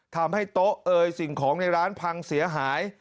ทำให้โต๊ะเอ่ยสิ่งของในร้านพังเสียหาย